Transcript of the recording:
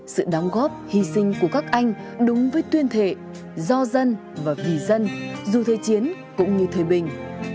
sự đóng góp hy sinh của các anh đúng với tuyên thệ do dân và vì dân dù thời chiến cũng như thời bình